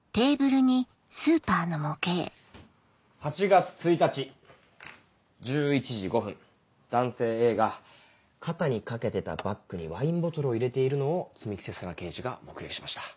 ８月１日１１時５分男性Ａが肩に掛けてたバッグにワインボトルを入れているのを摘木星砂刑事が目撃しました。